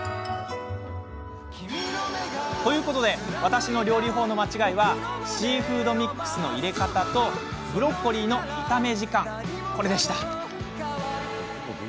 ということで私の料理法の間違いはシーフードミックスの入れ方とブロッコリーの炒め時間でした。